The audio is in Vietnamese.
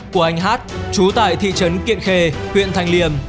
của anh h chú tại thị trấn kiện khê huyện thanh liêm